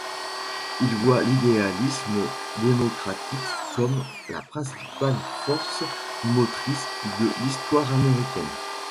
Il voit l'idéalisme démocratique comme la principale force motrice de l'histoire américaine.